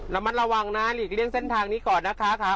ระมัดระวังนะหลีกเลี่ยงเส้นทางนี้ก่อนนะคะ